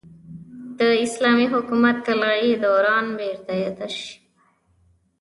د اسلامي حکومت طلايي دوران بېرته اعاده شي.